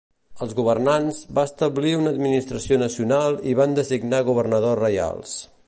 Els governants, va establir una administració nacional i van designar governadors reials.